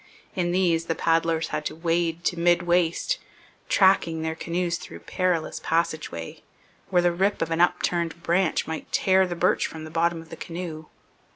In these the paddlers had to wade to mid waist, 'tracking' their canoes through perilous passage way, where the rip of an upturned branch might tear the birch from the bottom of the canoe.